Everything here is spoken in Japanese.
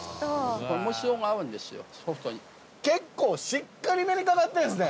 ・そうです・結構しっかりめにかかってるんですね。